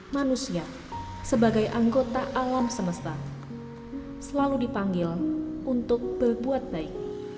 manusia sebagai anggota alam semesta selalu dipanggil untuk berbuat baik